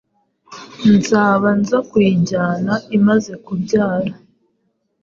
nzaba nza kuyijyana imaze kubyara”